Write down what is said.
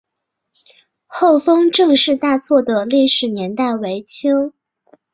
厚丰郑氏大厝的历史年代为清。